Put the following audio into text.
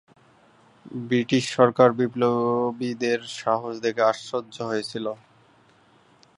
British সরকার বিপ্লবীদের সাহস দেখে আশ্চর্য হয়েছিলো।